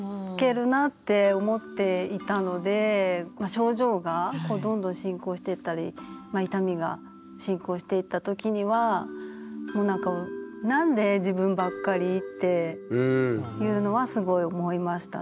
症状がどんどん進行していったり傷みが進行していった時にはもうなんかなんで自分ばっかりっていうのはすごい思いましたね。